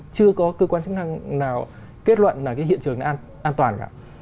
không có cơ quan chức năng nào kết luận là cái hiện trường này an toàn cả